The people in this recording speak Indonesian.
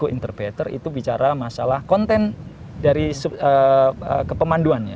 untuk ekoturisme itu bicara masalah konten dari kepemanduannya